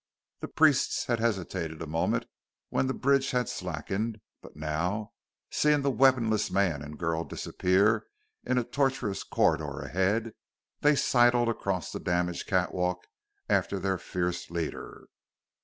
The priests had hesitated a moment when the bridge had slackened; but now, seeing the weaponless man and girl disappear in a tortuous corridor ahead, they sidled across the damaged catwalk after their fierce leader.